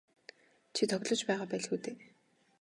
Чи тоглож байгаа байлгүй дээ.